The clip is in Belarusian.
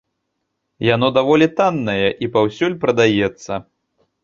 Яно даволі таннае і паўсюль прадаецца.